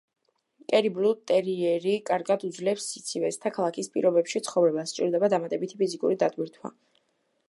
კერი-ბლუ ტერიერი კარგად უძლებს სიცივეს და ქალაქის პირობებში ცხოვრებას, სჭირდება დამატებითი ფიზიკური დატვირთვა.